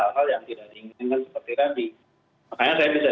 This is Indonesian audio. spanakotin juri sebenarnya juga tidak besar